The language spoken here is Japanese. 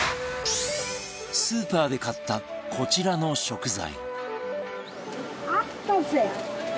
スーパーで買ったこちらの食材